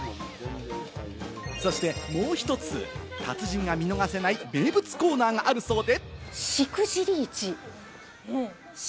そしてもう１つ、達人が見逃せない名物コーナーがあるそうで。